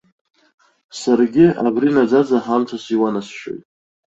Саргьы абри наӡаӡа ҳамҭас иуанасшьоит.